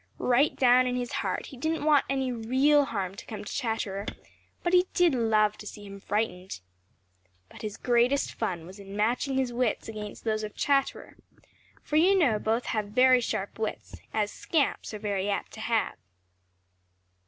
Right down in his heart he didn't want any real harm to come to Chatterer, but he did love to see him frightened. But his greatest fun was in matching his wits against those of Chatterer, for you know both have very sharp wits, as scamps are very apt to have.